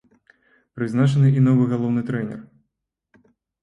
Прызначаны і новы галоўны трэнер.